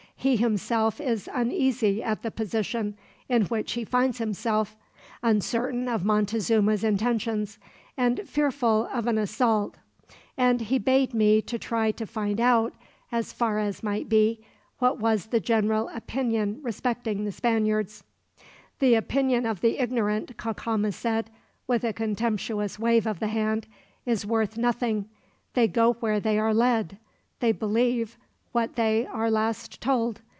He himself is uneasy at the position in which he finds himself, uncertain of Montezuma's intentions, and fearful of an assault; and he bade me try to find out, as far as might be, what was the general opinion respecting the Spaniards." "The opinion of the ignorant," Cacama said, with a contemptuous wave of the hand, "is worth nothing. They go where they are led. They believe what they are last told.